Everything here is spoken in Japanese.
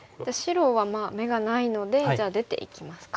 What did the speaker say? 白は眼がないのでじゃあ出ていきますか。